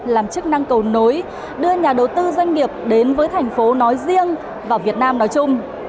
làm chức năng cầu nối đưa nhà đầu tư doanh nghiệp đến với thành phố nói riêng và việt nam nói chung